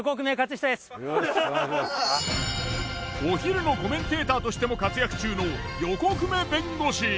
お昼のコメンテーターとしても活躍中の横粂弁護士。